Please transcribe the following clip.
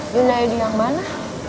junayadi yang mana